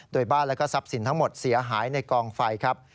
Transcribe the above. โดยบ้านและก็ทรัพย์สินทั้งหมดเสียหายในกองไฟครับ